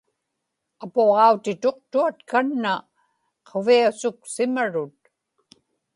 apuġautituqtuat kanna quviasuksimarut